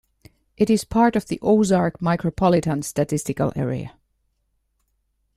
It is part of the Ozark Micropolitan Statistical Area.